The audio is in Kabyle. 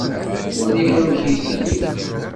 Wali amek i iteddu.